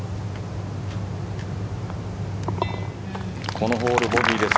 このホールボギーです。